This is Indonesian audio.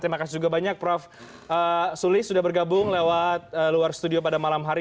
terima kasih juga banyak prof sulis sudah bergabung lewat luar studio pada malam hari